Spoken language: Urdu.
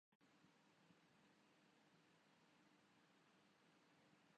جس قدر یہ لفظ فطرت یا فطری